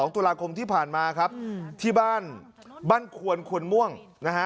ตุลาคมที่ผ่านมาครับที่บ้านบ้านควนควนม่วงนะฮะ